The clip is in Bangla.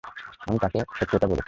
আমি তোকে সত্যটা বলছি।